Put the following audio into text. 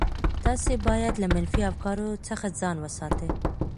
تاسي باید له منفي افکارو څخه ځان وساتئ.